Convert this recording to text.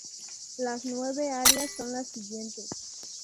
Las nueve áreas son las siguientes